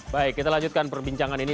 baik kita lanjutkan perbincangan ini